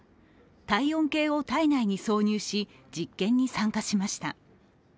体温計を体内に挿入し、実験に参加しました。